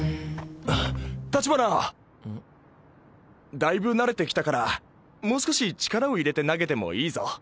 だいぶ慣れてきたからも少し力を入れて投げてもいいぞ。